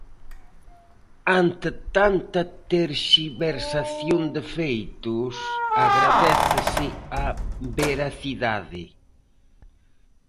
Ante tanta terxiversación de feitos, agradécese a veracidade.